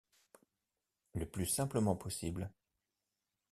Le plus simplement possible.